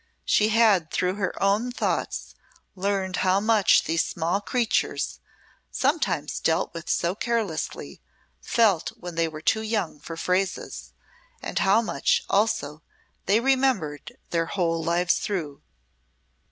She had, through her own thoughts, learned how much these small creatures sometimes dealt with so carelessly felt when they were too young for phrases, and how much, also, they remembered their whole lives through.